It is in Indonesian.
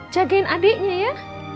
jagain adiknya ya